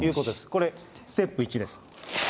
これ、ステップ１です。